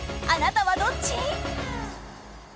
あなたはどっち？